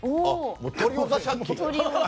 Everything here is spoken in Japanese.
トリオ・ザ・借金？